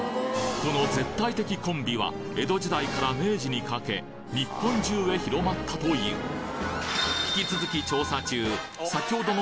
この絶対的コンビは江戸時代から明治にかけ日本中へ広まったという引き続き調査中先ほどの